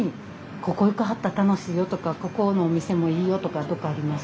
ここ行かはった楽しいよとかここのお店もいいよとかどっかあります？